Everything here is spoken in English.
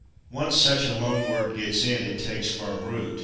Once such a loan word gets in it takes firm root.